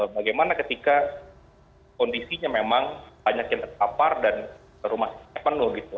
bagaimana ketika kondisinya memang banyak yang terpapar dan rumah sakitnya penuh gitu